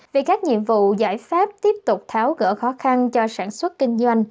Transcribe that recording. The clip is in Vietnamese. về các nhiệm vụ giải pháp tiếp tục tháo gỡ khó khăn cho sản xuất kinh doanh